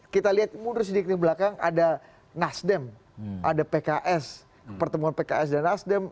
kita lihat mundur sedikit belakang ada nasdem ada pks pertemuan pks dan nasdem